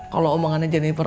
kalau omongannya jennifer